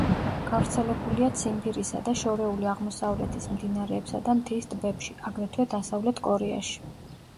გავრცელებულია ციმბირისა და შორეული აღმოსავლეთის მდინარეებსა და მთის ტბებში, აგრეთვე დასავლეთ კორეაში.